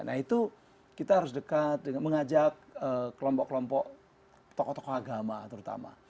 nah itu kita harus dekat dengan mengajak kelompok kelompok tokoh tokoh agama terutama